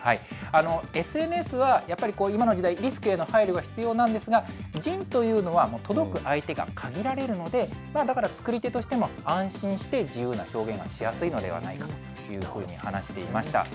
ＳＮＳは、やっぱり今の時代、リスクへの配慮が必要なんですが、ＺＩＮＥというのは届く相手が限られるので、だから作り手としても安心して自由な表現がしやすいのではないかというふうに話していました。